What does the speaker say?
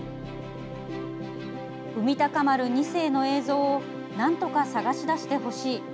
「海鷹丸２世」の映像をなんとか捜し出してほしい。